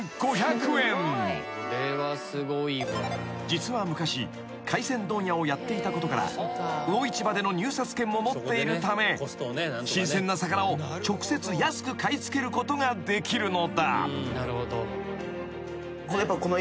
［実は昔回船問屋をやっていたことから魚市場での入札権も持っているため新鮮な魚を直接安く買い付けることができるのだ］